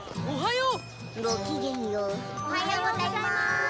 おはよう。